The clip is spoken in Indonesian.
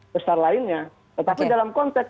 besar lainnya tetapi dalam konteks